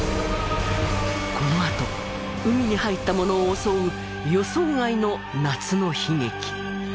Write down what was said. このあと海に入った者を襲う予想外の夏の悲劇。